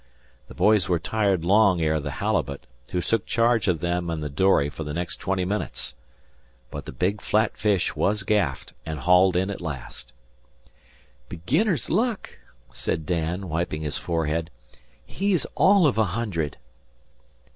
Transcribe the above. The boys were tired long ere the halibut, who took charge of them and the dory for the next twenty minutes. But the big flat fish was gaffed and hauled in at last. "Beginner's luck," said Dan, wiping his forehead. "He's all of a hundred."